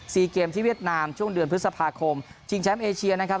เกมที่เวียดนามช่วงเดือนพฤษภาคมชิงแชมป์เอเชียนะครับ